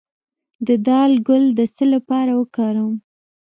د دال ګل د څه لپاره وکاروم؟